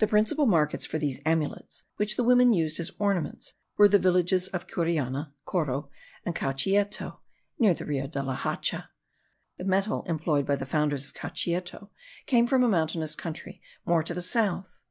The principal markets for these amulets, which the women used as ornaments, were the villages of Curiana (Coro) and Cauchieto (Near the Rio la Hacha). The metal employed by the founders of Cauchieto came from a mountainous country more to the south.